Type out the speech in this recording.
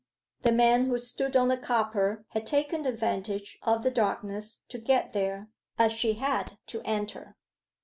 The man who stood on the copper had taken advantage of the darkness to get there, as she had to enter.